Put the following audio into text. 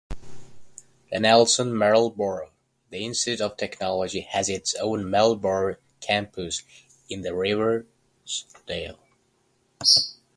The Nelson Marlborough Institute of Technology has its Marlborough Campus in Riversdale.